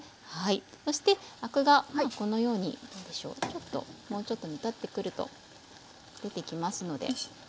そしてアクがこのようにもうちょっと煮立ってくると出てきますのではい。